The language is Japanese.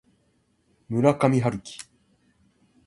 村上春樹